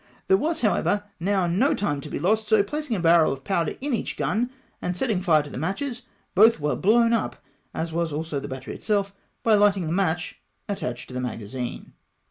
There was, however, now no time to be lost, so placing a barrel of powder under each gun and setting fire to the matches, both were blown up, as was also the battery itself by fighting the match attached to the magazine.